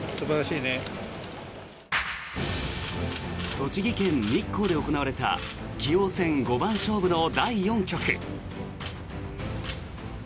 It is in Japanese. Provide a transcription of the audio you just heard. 栃木県日光で行われた棋王戦五番勝負の第４局。